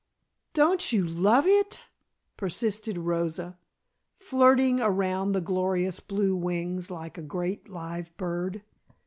"Don't you love it?" persisted Rosa, flirting around the glorious blue wings, like a great live bird.